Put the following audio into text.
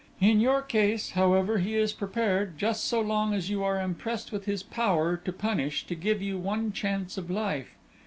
In your case, however, he is prepared, just so long as you are impressed with his power to punish, to give you one chance of life.